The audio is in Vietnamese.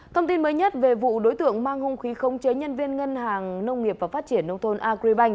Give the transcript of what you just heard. thông tin mới nhất về vụ đối tượng mang hung khí không chế nhân viên ngân hàng nông nghiệp và phát triển nông thôn agriban